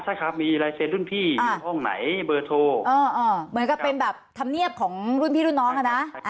ใช่ครับมีลายเซ็นรุ่นพี่อยู่ห้องไหนเบอร์โทรเหมือนกับเป็นแบบธรรมเนียบของรุ่นพี่รุ่นน้องอ่ะนะ